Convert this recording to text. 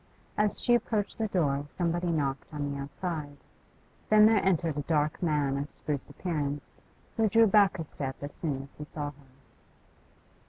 As she approached the door somebody knocked on the outside, then there entered a dark man of spruce appearance, who drew back a step as soon as he saw her.